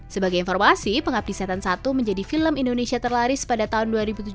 sebagai informasi pengabdi setan satu menjadi film indonesia terlaris pada tahun dua ribu tujuh belas